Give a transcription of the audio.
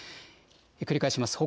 繰り返します。